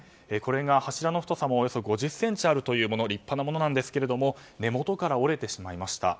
柱の太さもおよそ５０ｃｍあるというもので立派なものですが根元から折れてしまいました。